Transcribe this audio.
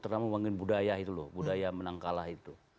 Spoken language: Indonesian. terutama membangun budaya itu loh budaya menang kalah itu